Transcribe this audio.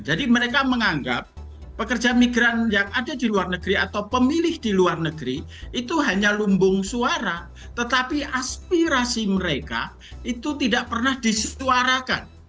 jadi mereka menganggap pekerja migran yang ada di luar negeri atau pemilih di luar negeri itu hanya lumbung suara tetapi aspirasi mereka itu tidak pernah disisuarakan